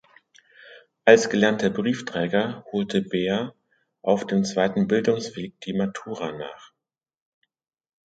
Als gelernter Briefträger holte Beer auf dem zweiten Bildungsweg die Matura nach.